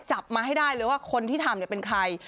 จับมาให้ได้เลยว่าคนที่ทำเป็นใคร